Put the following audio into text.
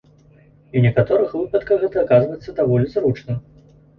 І ў некаторых выпадках гэта аказваецца даволі зручным.